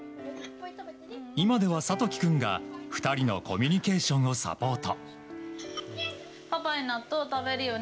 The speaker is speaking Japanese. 今では諭樹君が２人のコミュニケーションをサポート。